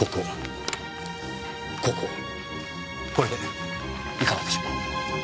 これでいかがでしょう？